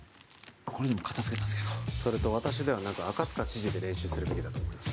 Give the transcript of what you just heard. これでも片付けたんですけどそれと私ではなく赤塚知事で練習するべきだと思います